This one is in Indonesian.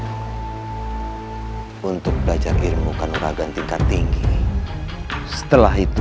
hai untuk belajar ilmu kanuragan tingkat tinggi setelah itu